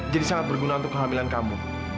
jadi sangat berguna untuk kehamilan kamu